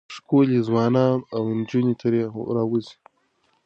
ښکلي ځوانان او نجونې ترې راوځي.